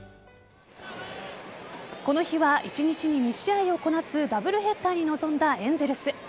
この日は一日に２試合をこなすダブルヘッダーに臨んだエンゼルス。